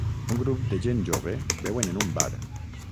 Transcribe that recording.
un grup de gent jove beuen en un bar.